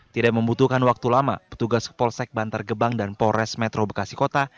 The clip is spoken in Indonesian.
tidak membutuhkan waktu lama petugas polsek bantar gebang dan polres metro bekasi kota